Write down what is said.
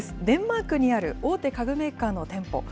デンマークにある大手家具メーカーの店舗。